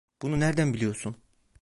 Bunu nereden biliyorsun?